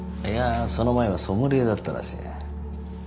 いやその前はソムリエだったらしい。